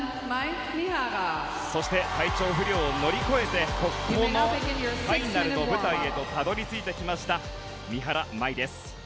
そして体調不良を乗り越えてファイナルの舞台へとたどり着いてきました三原舞依です。